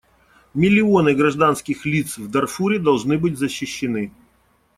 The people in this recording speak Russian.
Миллионы гражданских лиц в Дарфуре должны быть защищены.